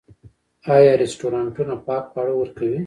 آیا رستورانتونه پاک خواړه ورکوي؟